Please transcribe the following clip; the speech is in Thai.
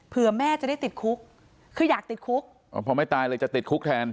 เพื่อแม่จะได้ติดคุกคืออยากติดคุกอ๋อพอไม่ตายเลยจะติดคุกแทน